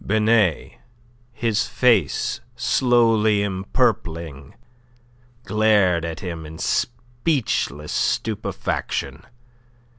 Binet, his face slowly empurpling, glared at him in speechless stupefaction.